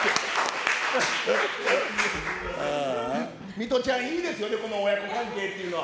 水卜ちゃん、いいですよね、この親子関係っていうのは。